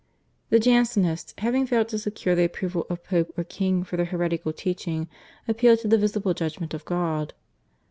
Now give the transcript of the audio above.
The Jansenists having failed to secure the approval of Pope or king for their heretical teaching appealed to the visible judgment of God.